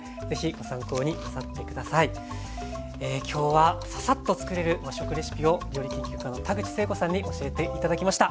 きょうはササッとつくれる和食レシピを料理研究家の田口成子さんに教えて頂きました。